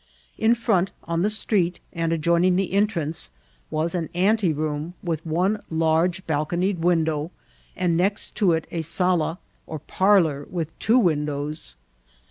In firont^ on the street, and adjoining the entrance, was an ante room with one large balconied window, and next to it a sala or parlour, with two windows.